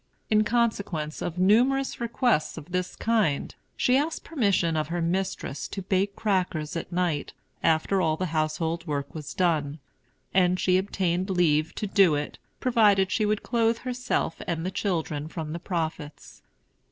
In consequence of numerous requests of this kind, she asked permission of her mistress to bake crackers at night, after all the household work was done; and she obtained leave to do it, provided she would clothe herself and the children from the profits.